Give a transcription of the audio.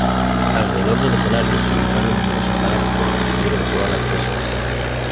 Alrededor del escenario se ubicaron numerosos fanáticos que siguieron toda la actuación.